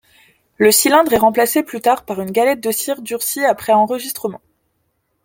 Le cylindre est remplacé plus tard par une galette de cire durcie après enregistrement.